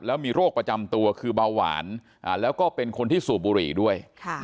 แล้วมีโรคประจำตัวคือเบาหวานแล้วก็เป็นคนที่สูบบุหรี่ด้วย